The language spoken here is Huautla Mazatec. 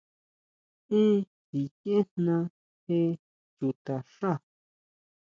¿Èn sikiejna jé chuta xá?